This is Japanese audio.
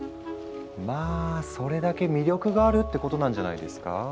まあそれだけ魅力があるってことなんじゃないですか。